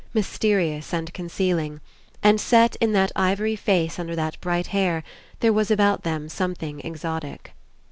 mysterious and concealing. And set in that ivory face under that bright hair, there was about them something exotic.